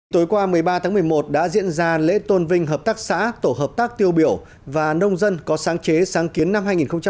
tối qua một mươi ba tháng một mươi một đã diễn ra lễ tôn vinh hợp tác xã tổ hợp tác tiêu biểu và nông dân có sáng chế sáng kiến năm hai nghìn một mươi chín